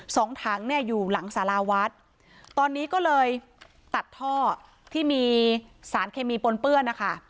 สองถังเนี่ยอยู่หลังสาราวัดตอนนี้ก็เลยตัดท่อที่มีสารเคมีปนเปื้อนนะคะ